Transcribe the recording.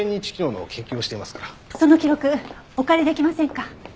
その記録お借りできませんか？